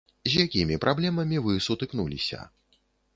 З якімі праблемамі вы сутыкнуліся?